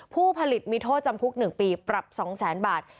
ผู้ผลิตมีโทษจำคุก๑ปีปรับ๒๐๐๐๐บาท